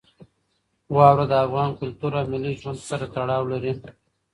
واوره د افغان کلتور او ملي ژوند سره تړاو لري.